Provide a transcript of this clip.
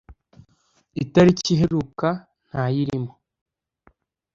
itariki iheruka ntayirimo.